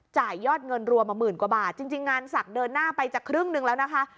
ยอดเงินรวมมาหมื่นกว่าบาทจริงงานศักดิ์เดินหน้าไปจะครึ่งนึงแล้วนะคะ